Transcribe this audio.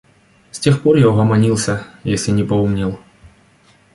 С тех пор я угомонился, если не поумнел.